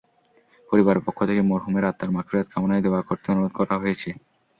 পরিবারের পক্ষ থেকে মরহুমের আত্মার মাগফিরাত কামনায় দোয়া করতে অনুরোধ করা হয়েছে।